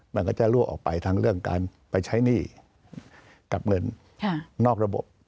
มันก็จะรั่วออกไปทั้งเรื่องการไปใช้หนี้กับเงินนอกระบบ